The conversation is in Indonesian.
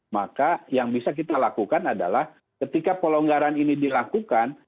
maka yang bisa kita lakukan adalah ketika pelonggaran ini dilakukan